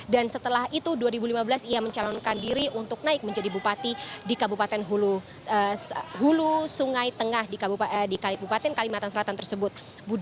dan setelah itu dua ribu lima belas ia mencalonkan diri untuk naik menjadi bupati di kabupaten hulu sungai tengah di kabupaten kalimantan selatan tersebut